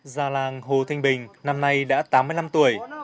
già làng hồ thanh bình năm nay đã tám mươi năm tuổi